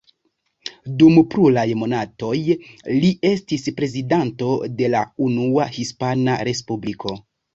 Dum pluraj monatoj li estis prezidento de la Unua Hispana Respubliko.